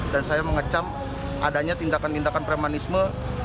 dan saya mengecam adanya tindakan tindakan premanisme